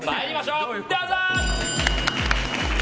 どうぞ！